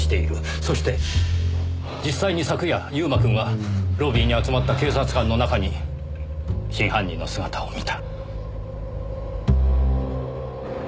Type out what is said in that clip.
そして実際に昨夜悠馬くんはロビーに集まった警察官の中に真犯人の姿を見た。